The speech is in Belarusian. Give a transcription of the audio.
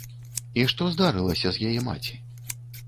І што здарылася з яе маці?